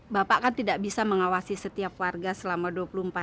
bapak kan tidak bisa mengawasi setiap warga selama dua puluh empat jam